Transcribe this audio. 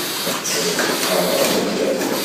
Ad s-qqaṛeɣ mazal.